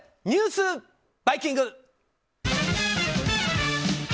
ニュースバイキング。